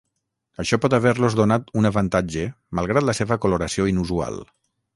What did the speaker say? Això pot haver-los donat un avantatge malgrat la seva coloració inusual.